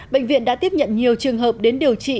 bệnh viện đã tiếp nhận nhiều trường hợp đến điều trị